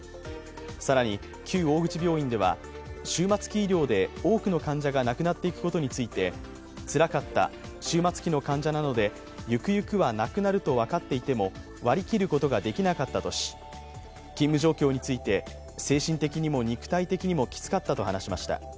更に、旧大口病院では、終末期医療で多くの患者が亡くなっていくことについてつらかった、終末期の患者なのでゆくゆくは亡くなると分かっていても割り切ることができなかったとし、勤務状況について精神的にも肉体的にもきつかったと話しました。